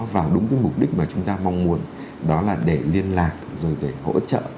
vào đúng cái mục đích mà chúng ta mong muốn đó là để liên lạc rồi để hỗ trợ